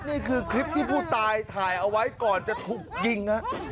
นี่คือคลิปที่ผู้ตายถ่ายเอาไว้ก่อนจะถูกยิง